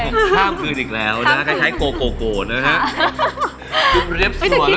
โหกคราบมืออีกแล้วนะก็ใช้เกานะฮะ